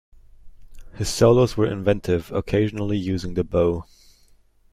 His solos were inventive, occasionally using the bow.